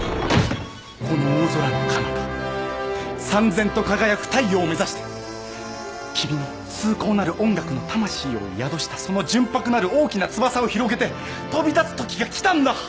この大空のかなたさん然と輝く太陽を目指して君の崇高なる音楽の魂を宿したその純白なる大きな翼を広げて飛び立つときが来たんだ！